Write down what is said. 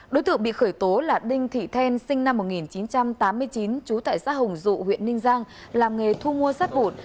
đối tượng bị khởi tố là đinh thị then sinh năm một nghìn chín trăm tám mươi chín trú tại xã hồng dụ huyện ninh giang làm nghề thu mua sát bột